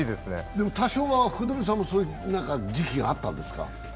でも多少は福留さんもそういう、いい時期があったんですか？